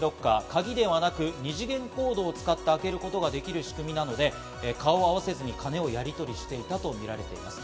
鍵ではなく二次元コードを使って、開けることができる仕組みなので、顔を合わせずに金をやりとりしていたとみられます。